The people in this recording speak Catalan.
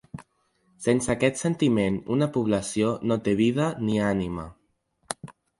Sense aquest sentiment, una població no té vida ni ànima.